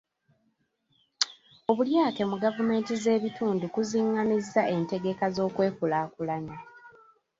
Obulyake mu gavumenti z'ebitundu kuzingamizza entegeka z'okwekulaakulanya.